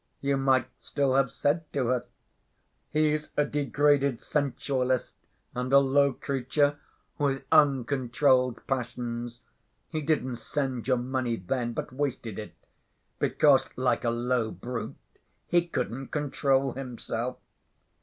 You might still have said to her, 'He's a degraded sensualist, and a low creature, with uncontrolled passions. He didn't send your money then, but wasted it, because, like a low brute, he couldn't control himself.